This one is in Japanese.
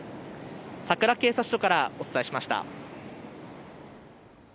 さくら警察署からお伝えしました。